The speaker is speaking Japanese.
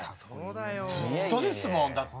ずっとですもんだって！